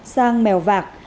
sang mèo vạc